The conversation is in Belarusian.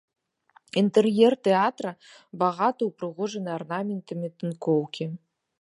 Інтэр'ер тэатра багата ўпрыгожаны арнаментамі тынкоўкі.